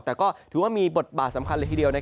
แต่ก็ถือว่ามีบทบาทสำคัญเลยทีเดียว